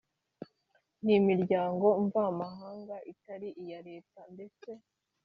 n imiryango mvamahanga itari iya leta ndetse